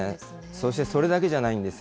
そしてそれだけじゃないんです。